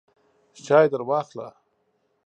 چای درواخله !